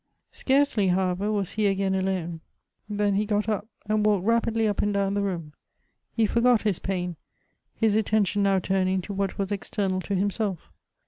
Scarcely, however, was he again alone, than he got up, and walked rapidly up and down the room ; he forgot his pain, his attention now turning to what was external to himself.